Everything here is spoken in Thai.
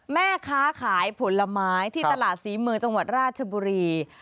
แม่ค้าขายผลไม้ที่ตลาดศรีเมืองจังหวัดราชบุรี